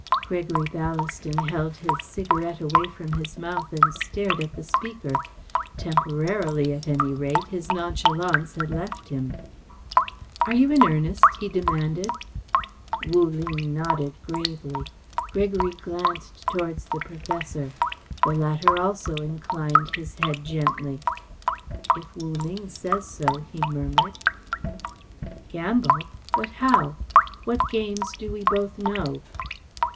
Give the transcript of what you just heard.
Gregory Ballaston held his cigarette away from his mouth and stared at the speaker. Temporarily, at any rate, his nonchalance had left him. "Are you in earnest?" he demanded. Wu Ling nodded gravely. Gregory glanced towards the professor. The latter also inclined his head gently. "If Wu Ling says so," he murmured. "Gamble! But how? What games do we both know?"